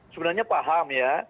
sebenarnya paham ya